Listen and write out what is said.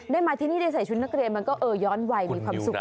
มาที่นี่ได้ใส่ชุดนักเรียนมันก็เออย้อนวัยมีความสุข